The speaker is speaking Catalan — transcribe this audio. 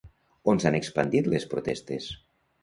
On s'han expandit les protestes?